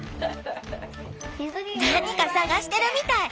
何か探してるみたい。